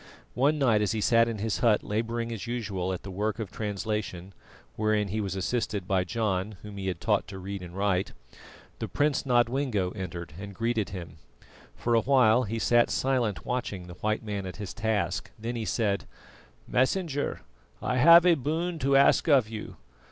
One night as he sat in his hut labouring as usual at the work of translation, wherein he was assisted by John whom he had taught to read and write, the Prince Nodwengo entered and greeted him. For a while he sat silent watching the white man at his task, then he said: "Messenger, I have a boon to ask of you.